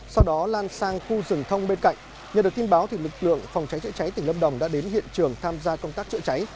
sau đó lan sang khu rừng thông bên cạnh nhờ được tin báo lực lượng phòng cháy chữa cháy tỉnh lâm đồng đã đến hiện trường tham gia công tác chữa cháy